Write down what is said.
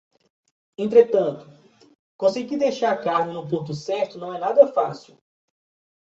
Entretanto, conseguir deixar a carne no ponto certo não é nada fácil